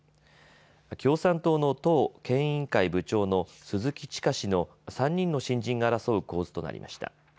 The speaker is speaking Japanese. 共産党の党県委員会部長の鈴木千佳氏の３人の新人が争う構図となりました。